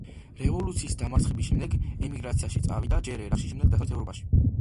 რევოლუციის დამარცხების შემდეგ ემიგრაციაში წავიდა ჯერ ერაყში, შემდეგ დასავლეთ ევროპაში.